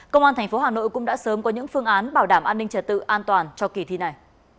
công an thành phố hà nội cũng đã sớm có những phương án bảo đảm an ninh trả tự an toàn cho kỳ thi này